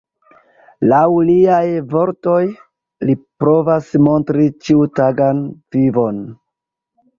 Laŭ liaj vortoj li provas montri ĉiutagan vivon.